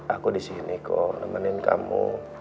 aku disini kok nemenin kamu